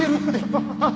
ハハハッ！